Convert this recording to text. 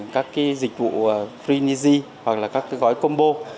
các dịch vụ free neasy hoặc là các gói combo